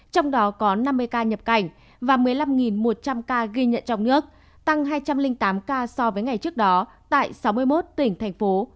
trong đó có năm mươi ca nhập cảnh và một mươi năm một trăm linh ca ghi nhận trong nước tăng hai trăm linh tám ca so với ngày trước đó tại sáu mươi một tỉnh thành phố